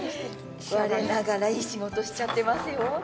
我ながら、いい仕事しちゃってますよ。